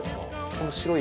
この白い。